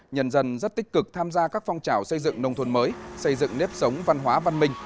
nhân dân rất tích cực tham gia các phong trào xây dựng nông thôn mới xây dựng nếp sống văn hóa văn minh